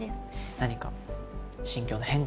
何か心境の変化などは？